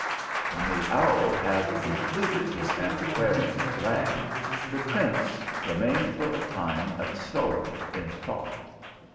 When the owl had concluded his antiquarian harangue, the prince remained for a time absorbed in thought.